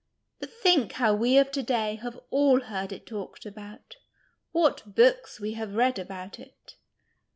But think how we of to day have all heard it talked about, what books we have read about it